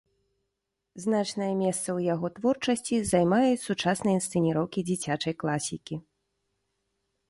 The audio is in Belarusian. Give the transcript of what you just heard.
Значнае месца ў яго творчасці займаюць сучасныя інсцэніроўкі дзіцячай класікі.